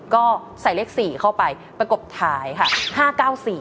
ก็ใส่เลข๔เข้าไปไปกบท้ายค่ะ